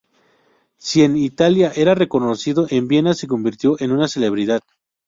Si en Italia era conocido, en Viena se convirtió en una celebridad.